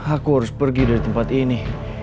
aku harus pergi dari tempat ini